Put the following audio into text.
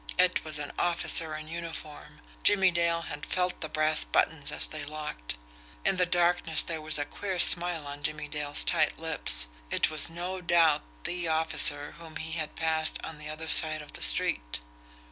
It was an officer in uniform! Jimmie Dale had felt the brass buttons as they locked. In the darkness there was a queer smile on Jimmie Dale's tight lips. It was no doubt THE officer whom he had passed on the other side of the street.